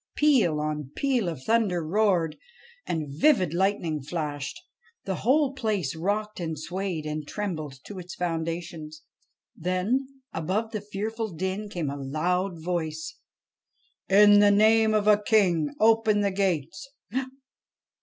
Peal on peal of thunder roared, and vivid lightning flashed. The whole place rocked and swayed and trembled to its foundations. Then above the fearful din came a loud voice :' In the name of a King, open the gates